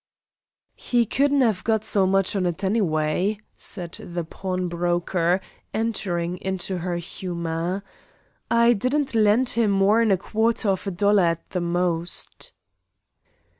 "He couldn't have got so much on it any way," said the pawnbroker, entering into her humor. "I didn't lend him more'n a quarter of a dollar at the most."